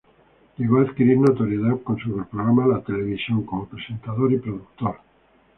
Llegó a adquirir notoriedad con su programa La Televisión como presentador y productor.